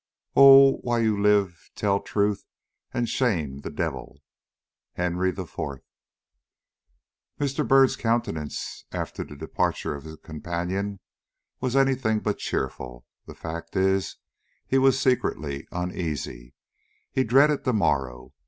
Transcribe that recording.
Oh, while you live tell truth and shame the devil! HENRY IV. MR. BYRD'S countenance after the departure of his companion was any thing but cheerful. The fact is, he was secretly uneasy. He dreaded the morrow.